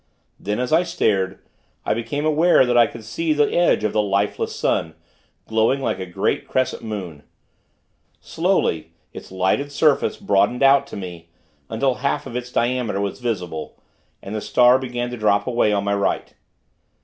"Then, as I stared, I became aware that I could see the edge of the lifeless sun, glowing like a great crescent moon. Slowly, its lighted surface, broadened out to me, until half of its diameter was visible; and the star began to drop away on my right.